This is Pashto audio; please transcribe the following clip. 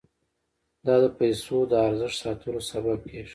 دا د پیسو د ارزښت ساتلو سبب کیږي.